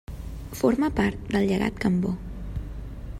Forma part del Llegat Cambó.